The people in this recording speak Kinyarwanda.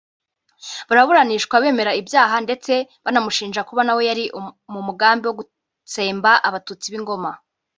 baraburanishwa bemera ibyaha ndetse banamushinja kuba nawe yari mu mugambi wo gutsemba abatutsi b’i Ngoma